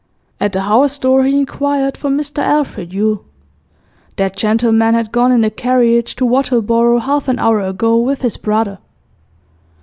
At the house door he inquired for Mr Alfred Yule. That gentleman had gone in the carriage to Wattleborough, half an hour ago, with his brother.